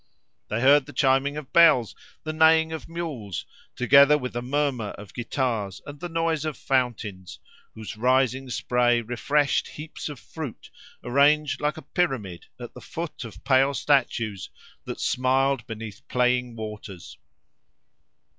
They heard the chiming of bells, the neighing of mules, together with the murmur of guitars and the noise of fountains, whose rising spray refreshed heaps of fruit arranged like a pyramid at the foot of pale statues that smiled beneath playing waters.